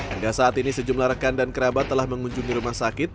hingga saat ini sejumlah rekan dan kerabat telah mengunjungi rumah sakit